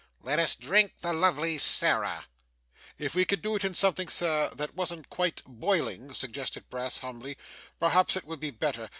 'Let us drink the lovely Sarah.' 'If we could do it in something, sir, that wasn't quite boiling,' suggested Brass humbly, 'perhaps it would be better.